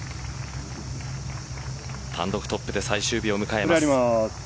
単独トップで最終日を迎えます。